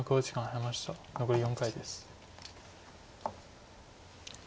残り４回です。